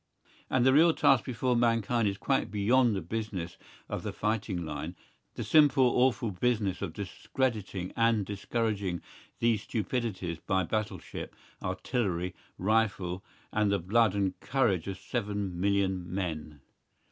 And the real task before mankind is quite beyond the business of the fighting line, the simple awful business of discrediting and discouraging these stupidities by battleship, artillery, rifle and the blood and courage of seven million men.